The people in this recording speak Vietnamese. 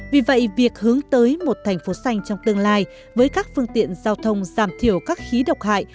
vì vậy việc hướng tới một thành phố xanh trong tương lai với các phương tiện giao thông giảm thiểu các khí độc hại